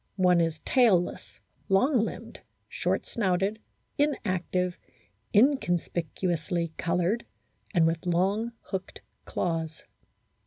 One is tailless, long limbed, short snouted, inactive, inconspicuously coloured, and with long, hooked claws.